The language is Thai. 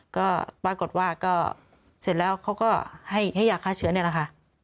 ก็ปรากฏว่าก็เสร็จแล้วเขาก็ให้ยาฆ่าเชื้อนี่แหละค่ะ